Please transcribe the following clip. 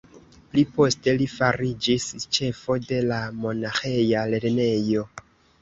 Pli poste li fariĝis ĉefo de la monaĥeja lernejo.